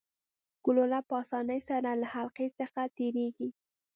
ګلوله په اسانۍ سره له حلقې څخه تیریږي.